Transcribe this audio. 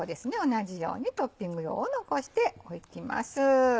同じようにトッピング用を残しておきます。